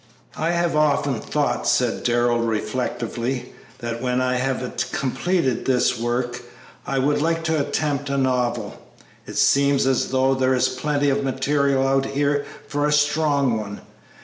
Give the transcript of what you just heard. "I have often thought," said Darrell, reflectively, "that when I have completed this work I would like to attempt a novel. It seems as though there is plenty of material out here for a strong one.